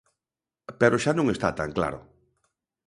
Pero xa non está tan claro.